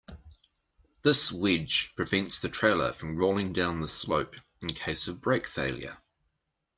This wedge prevents the trailer from rolling down the slope in case of brake failure.